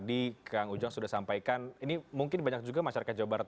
kinerjanya menjadi ukuran masyarakat jawa barat